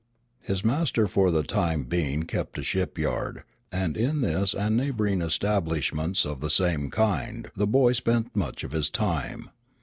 His master for the time being kept a ship yard, and in this and neighboring establishments of the same kind the boy spent much of his time.